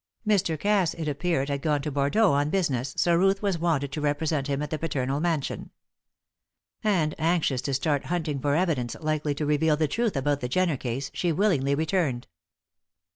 Mr. Cass, it appeared, had gone to Bordeaux on business, so Ruth was wanted to represent him at the paternal mansion. And anxious to start hunting for evidence likely to reveal the truth about the Jenner case, she willingly returned. Mrs.